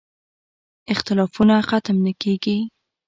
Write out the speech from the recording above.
اختلافونه ختم نه کېږي.